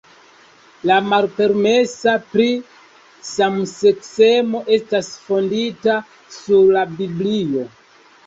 La malpermeso pri samseksemo estas fondita sur la Biblio.